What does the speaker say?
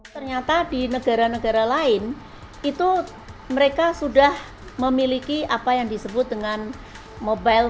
ternyata di negara negara lain itu mereka sudah memiliki apa yang disebut dengan mobile